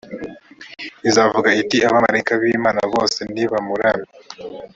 izavuga iti abamarayika b imana bose nibamuramye